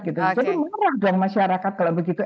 jadi marah dong masyarakat kalau begitu